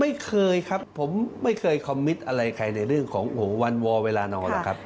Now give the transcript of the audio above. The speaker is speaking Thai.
ไม่เคยครับผมไม่เคยคอมมิตอะไรใครในเรื่องของวันวอลเวลานอนหรอกครับ